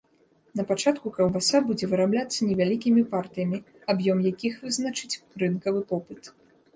Напачатку каўбаса будзе вырабляцца невялікімі партыямі, аб'ём якіх вызначыць рынкавы попыт.